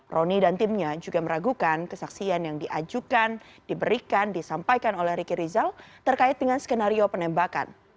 roni dan timnya juga meragukan kesaksian yang diajukan diberikan disampaikan oleh riki rizal terkait dengan skenario penembakan